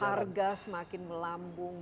harga semakin melambung